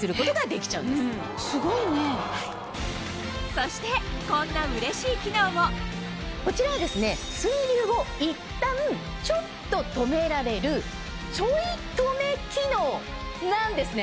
そしてこんなうれしい機能もこちらは水流をいったんちょっと止められるちょい止め機能なんですね。